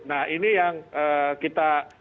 nah ini yang kita